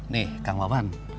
nih kang wawan